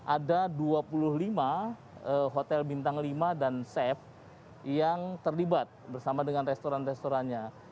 ada dua puluh lima hotel bintang lima dan chef yang terlibat bersama dengan restoran restorannya